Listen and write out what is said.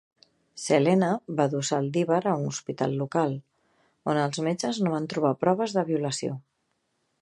Selena va dur Saldivar a un hospital local, on els metges no van trobar proves de violació.